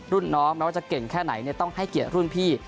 รุ่นน้องไม่ว่าจะเก่งแค่ไหนต้องให้เกียรติรุ่นพี่